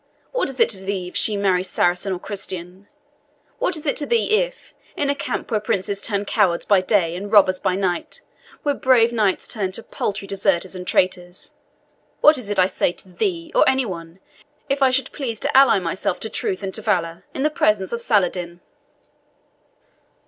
What is it to thee if she marry Saracen or Christian? What is it to thee if, in a camp where princes turn cowards by day and robbers by night where brave knights turn to paltry deserters and traitors what is it, I say, to thee, or any one, if I should please to ally myself to truth and to valour, in the person of Saladin?"